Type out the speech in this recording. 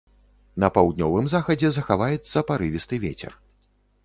На паўднёвым захадзе захаваецца парывісты вецер.